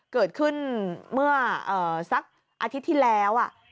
เกิดขึ้นเมื่อสักอาทิตย์ที่แล้ว